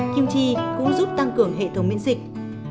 kim chi cũng giúp tăng cường hệ thống miễn dịch